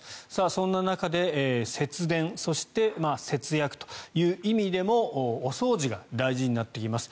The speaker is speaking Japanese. そんな中で節電そして節約という意味でもお掃除が大事になってきます。